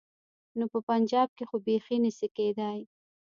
نو په پنجاب کې خو بيخي نه شي کېدای.